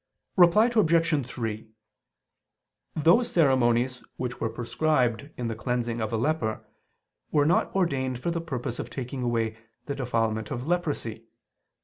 Reply Obj. 3: Those ceremonies which were prescribed in the cleansing of a leper, were not ordained for the purpose of taking away the defilement of leprosy.